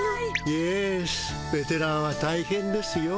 イエスベテランはたいへんですよ。